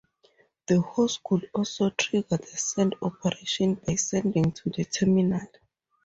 The host could also trigger the send operation by sending to the terminal.